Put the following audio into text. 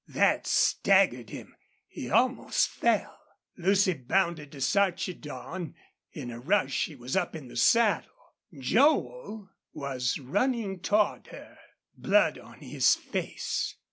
That staggered him. He almost fell. Lucy bounded to Sarchedon. In a rush she was up in the saddle. Joel was running toward her. Blood on his face!